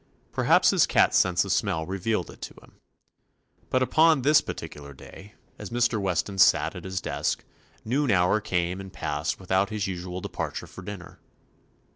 Perhaps his cat sense of smell re vealed it to him. But upon this par ticular day, as Mr. Weston sat at his desk, noon hour came and passed without his usual departure for din ner.